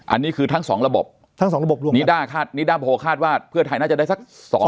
อันนี้คือทั้ง๒ระบบนิดาโพลคาดว่าเพื่อไทยน่าจะได้สัก๒๐๐